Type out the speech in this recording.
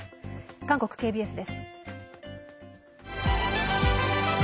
韓国ＫＢＳです。